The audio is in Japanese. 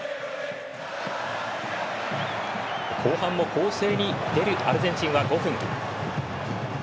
後半も攻勢に出るアルゼンチンは５分。